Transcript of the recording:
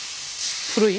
古い？